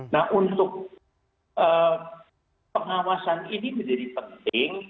nah untuk pengawasan ini menjadi penting